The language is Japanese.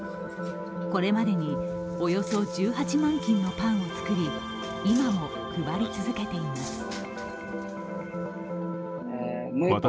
これまでにおよそ１８万斤のパンを作り、今も配り続けています。